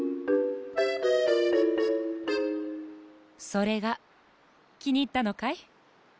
それがきにいったのかい？